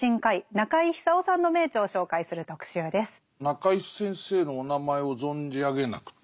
中井先生のお名前を存じ上げなくて。